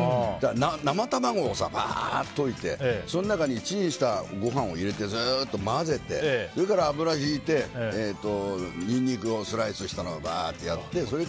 生卵をばーっと溶いてその中にチンしたご飯を入れて、ずっと混ぜてそれから油をひいてニンニクをスライスしたのをやって。